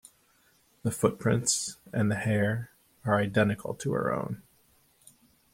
The footprints and the hair are identical to her own.